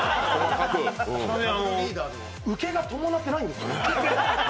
ただね、ウケが伴ってないんですよね。